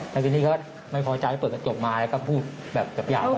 แล้วทีนี้เขาไม่พอใจเปิดกระจกมาแล้วก็พูดแบบหยาบ